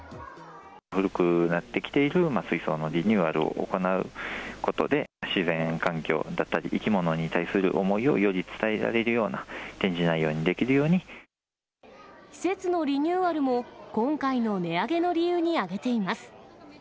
古くなってきている水槽のリニューアルを行うことで、自然環境だったり、生き物に対する思いをより伝えられるような展示内容にできるよう施設のリニューアルも、今回の値上げの理由に挙げています。